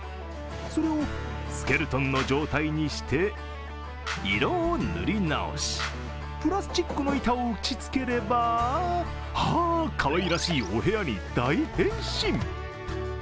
それをスケルトンの状態にして、色を塗り直し、プラスチックの板を打ちつければかわいらしいお部屋に大変身。